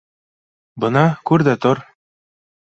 — Бына күр ҙә тор.